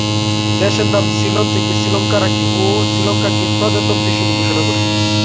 দেশের নাম সিলন থেকে শ্রীলঙ্কা রাখে ও শ্রীলঙ্কাকে প্রজাতন্ত্র হিসেবে ঘোষণা করে।